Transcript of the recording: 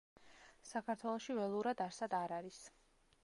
საქართველოში ველურად არსად არ არის.